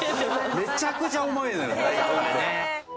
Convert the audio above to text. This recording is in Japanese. めちゃくちゃ重いのよ大根って。